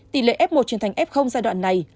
tỷ lệ f một trên thành f giai đoạn này